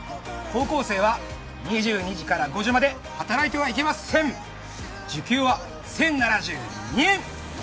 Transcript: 高校生は２２時から５時まで働いてはいけません時給は１０７２円！